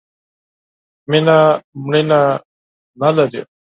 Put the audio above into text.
مینه ، مړینه نه لري.